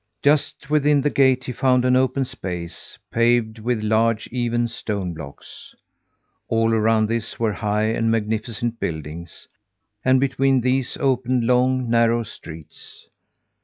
Just within the gate he found an open space, paved with large, even stone blocks. All around this were high and magnificent buildings; and between these opened long, narrow streets.